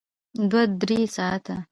دوه تر درې ساعته